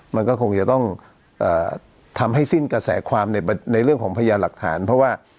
มันก็คงจะต้องทำให้สิ้นกระแสความในเรื่องของพยานหลักฐานเพราะว่า